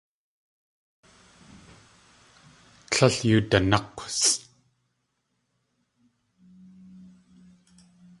Tlél yoodanák̲wsʼ.